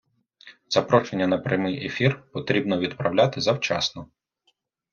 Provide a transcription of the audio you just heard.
Запрошення на прямий ефір потрібно відправляти завчасно